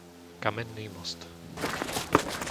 Kamenný Most